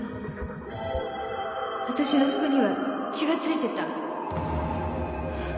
あたしの服には血が付いてた